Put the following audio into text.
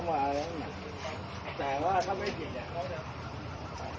เมื่อ๑๙นาทีแม่งก็โดดใส่หน้าโน้น